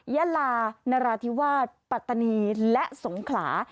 ยาลานราธิวาสปัตตานีและสงขลา